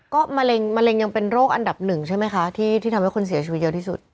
ก็มะเร็งยังเป็นโรคอันดับหนึ่งใช่ไหมคะที่ทำให้คนเสียชีวิตเยอะที่สุด